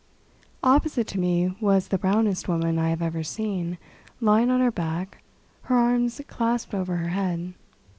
Opposite to me was the brownest woman I have ever seen, lying on her back, her arms clasped over her head.